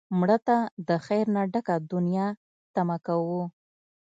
مړه ته د خیر نه ډکه دنیا تمه کوو